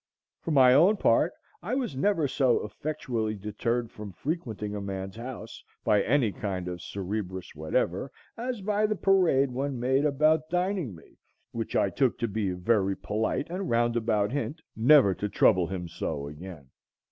For my own part, I was never so effectually deterred from frequenting a man's house, by any kind of Cerberus whatever, as by the parade one made about dining me, which I took to be a very polite and roundabout hint never to trouble him so again.